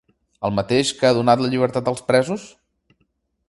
El mateix que ha donat la llibertat als presos?